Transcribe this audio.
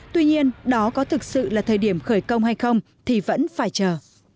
tuy nhiên đó có thực sự là thời điểm khởi công hay không thì vẫn phải chờ